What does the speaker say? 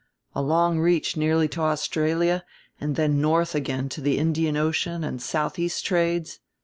A long reach nearly to Australia and then north again to the Indian Ocean and southeast trades.